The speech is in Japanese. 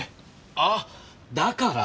ああだから。